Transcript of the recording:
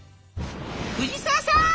「藤沢さん